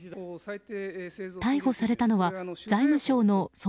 逮捕されたのは財務省の総括